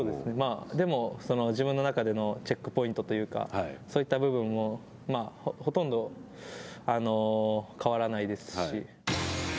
でも、自分の中でのチェックポイントというかそういった部分をほとんど変わらないですし。